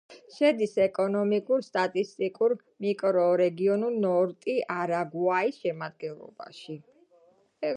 შედის ეკონომიკურ-სტატისტიკურ მიკრორეგიონ ნორტი-არაგუაიის შემადგენლობაში.